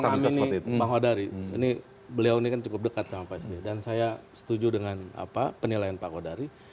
saya mau mengamini pak ho dari beliau ini kan cukup dekat sama pak sby dan saya setuju dengan penilaian pak ho dari